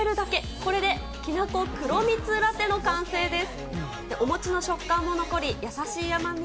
これできなこ黒みつラテの完成です。